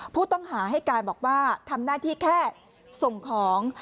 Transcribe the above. ผู้ต้องหาให้การบอกว่าทำหน้าที่แค่ส่งของ